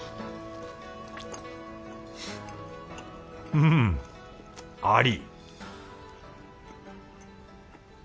うんあり！